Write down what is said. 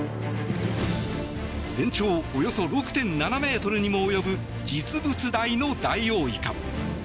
全長およそ６．７ｍにも及ぶ実物大のダイオウイカ。